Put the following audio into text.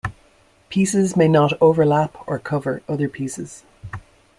Pieces may not overlap or cover other pieces.